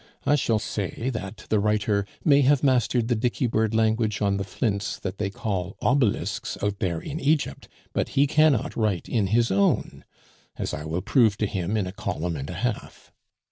I shall say that the writer may have mastered the dicky bird language on the flints that they call 'obelisks' out there in Egypt, but he cannot write in his own, as I will prove to him in a column and a half.